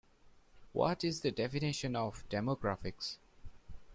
What is the definition of demographics?